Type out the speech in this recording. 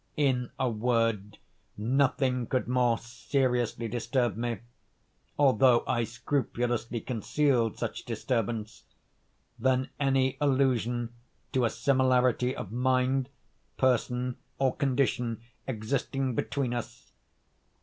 In a word, nothing could more seriously disturb me, (although I scrupulously concealed such disturbance,) than any allusion to a similarity of mind, person, or condition existing between us.